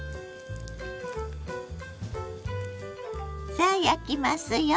さあ焼きますよ。